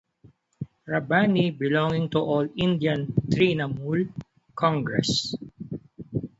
Rabbani belonging to All India Trinamool Congress.